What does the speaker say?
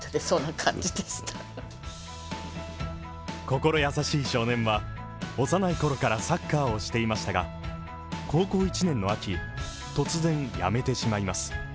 心優しい少年は、幼い頃からサッカーをしていましたが、高校１年の秋、突然辞めてしまいます。